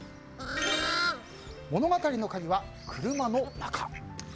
物語の鍵は車の中。